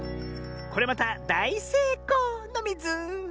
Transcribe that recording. これまただいせいこうのミズ！